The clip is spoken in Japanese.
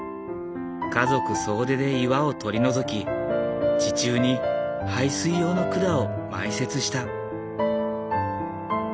家族総出で岩を取り除き地中に排水用の管を埋設した。